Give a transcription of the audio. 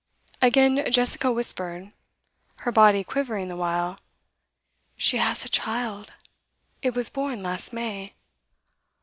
Again Jessica whispered, her body quivering the while: 'She has a child. It was born last May.